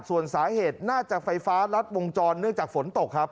ส่วนสาเหตุน่าจะไฟฟ้ารัดวงจรเนื่องจากฝนตกครับ